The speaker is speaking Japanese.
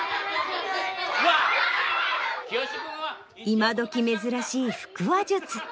今どき珍しい腹話術。